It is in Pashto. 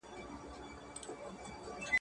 مار پر ږغ کړل ویل اې خواره دهقانه!